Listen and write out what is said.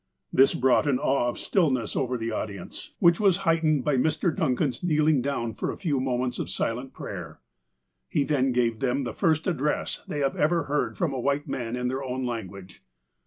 This brought an awe of stillness over the audience, 124 THE APOSTLE OF ALASKA which was heightened by Mr. Duncan's kneeling down for a few moments of silent prayer. He then gave them the first address they ever heard from a white man in their own language.